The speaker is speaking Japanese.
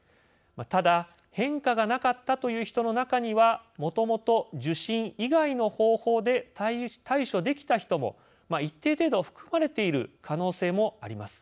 ただ変化がなかったという人の中にはもともと受診以外の方法で対処できた人も一定程度含まれている可能性もあります。